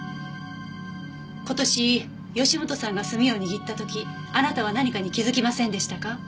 今年義本さんが墨を握った時あなたは何かに気づきませんでしたか？